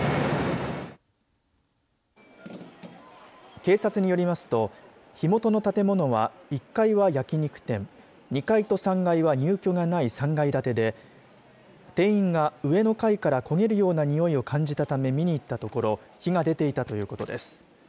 警察によりますと火元の建物は１階は焼き肉店２階と３階は入居がない３階建てで店員が上の階から焦げるようなにおいを感じたため見に行ったところ火が出ていたということです。